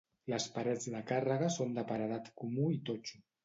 Les parets de càrrega són de paredat comú i totxo.